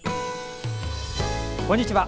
こんにちは。